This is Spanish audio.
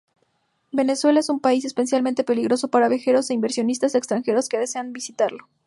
Venezuela es un país especialmente peligroso para viajeros e inversionistas extranjeros que desean visitarlo.